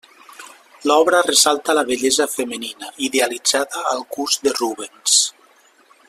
L'obra ressalta la bellesa femenina, idealitzada al gust de Rubens.